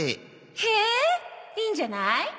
へえいいんじゃない？